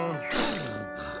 ああ。